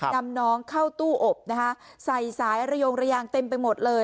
นำน้องเข้าตู้อบใส่ระยงเต็มไปหมดเลย